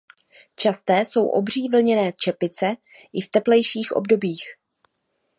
Časté jsou obří vlněné čepice i v teplejších obdobích.